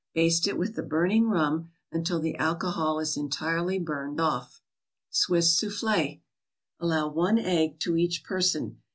Baste it with the burning rum until the alcohol is entirely burned off. SWISS SOUFFLE Allow one egg to each person.